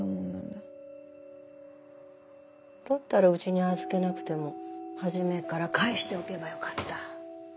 だったらうちに預けなくてもはじめから返しておけばよかった。